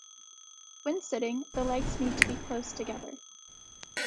When sitting, the legs need to be close together.